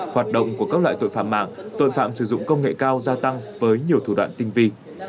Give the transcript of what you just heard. hoạt động của các loại tội phạm mạng tội phạm sử dụng công nghệ cao gia tăng với nhiều thủ đoạn tinh vi